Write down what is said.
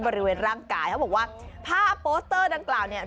บริเวณร่างกายเขาบอกว่าผ้าโปสเตอร์ดังกล่าวเนี่ย